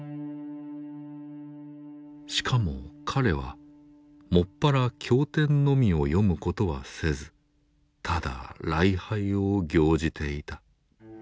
しかも彼は専ら経典のみを読むことはせずただ礼拝を行じていた。